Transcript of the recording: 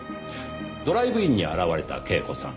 ドライブインに現れた恵子さん。